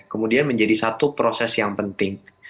kemudian menjadi satu proses yang penting